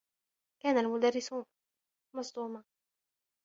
كان المدرّس مصدومة.